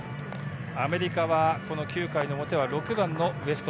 アメリカはこの９回の表は６番のウェスト